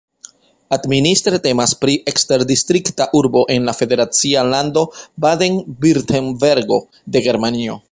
Administre temas pri eksterdistrikta urbo en la federacia lando Baden-Virtembergo de Germanio.